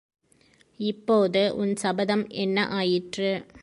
இப்போது உன் சபதம் என்ன ஆயிற்று?